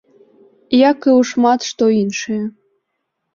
Як і ў шмат што іншае.